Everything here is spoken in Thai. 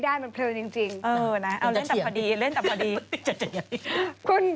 คุณมันเผลินจริง